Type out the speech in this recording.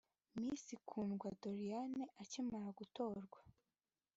Miss Kundwa Doriane akimara gutorwa